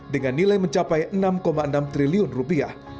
dengan nilai mencapai enam enam triliun rupiah